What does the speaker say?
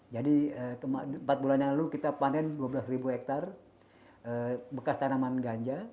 empat bulan yang lalu kita panen dua belas hektare bekas tanaman ganja